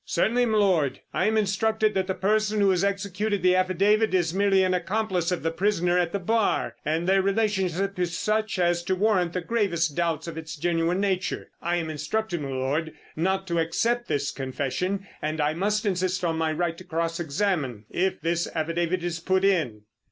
"Certainly, m' Lord; I am instructed that the person who has executed the affidavit is merely an accomplice of the prisoner at the bar, and their relationship is such as to warrant the gravest doubts of its genuine nature. I am instructed, m' Lord, not to accept this confession, and I must insist on my right to cross examine, if this affidavit is put in."